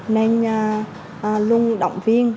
nên luôn động viên